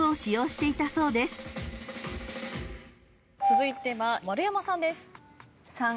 続いては丸山さんです。